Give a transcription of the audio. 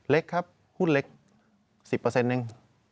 เล็กครับหุ้นเล็ก๑๐เอง